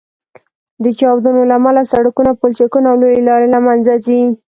د چاودنو له امله سړکونه، پولچکونه او لویې لارې له منځه ځي